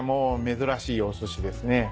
珍しいおすしですね。